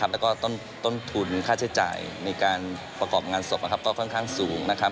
แล้วก็ต้นทุนค่าใช้จ่ายในการประกอบงานศพก็ค่อนข้างสูง